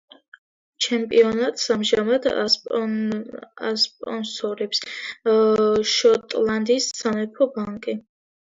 ჩემპიონატს ამჟამად ასპონსორებს შოტლანდიის სამეფო ბანკი.